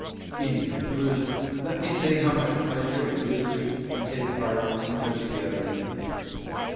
In conclusion, let me say how much pleasure it gives me to take part in such a gathering as this.